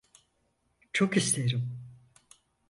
Çok isterim.